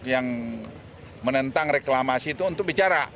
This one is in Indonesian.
yang menentang reklamasi itu untuk bicara